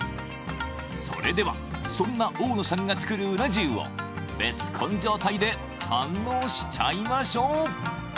それではそんな大野さんが作るうな重をベスコン状態で堪能しちゃいましょう！